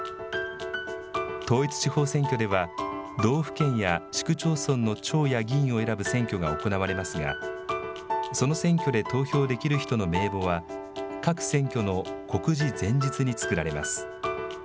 統一地方選挙では、道府県や市区町村の長や議員を選ぶ選挙が行われますが、その選挙で投票できる人の名簿は、各選挙の告示前日に作られます。